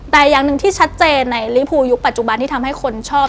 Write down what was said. แต่อย่างหนึ่งที่ชัดเจนในลิฟูยุคปัจจุบันที่ทำให้คนชอบ